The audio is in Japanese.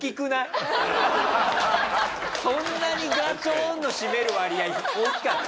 そんなにガチョーンの占める割合大きかった？